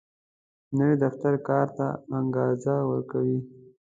نوی دفتر کار ته انګېزه ورکوي